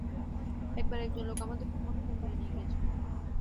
একবার একজন লোক আমাকে মন্দিরে নিয়ে গিয়েছিল।